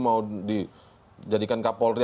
mau dijadikan kapolri